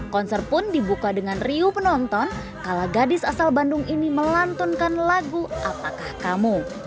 konser pun dibuka dengan riuh penonton kalau gadis asal bandung ini melantunkan lagu apakah kamu